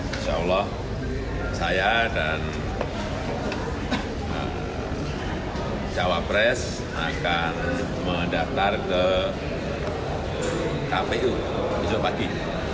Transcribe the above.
insya allah saya dan cawapres akan mendaftar ke kpu besok pagi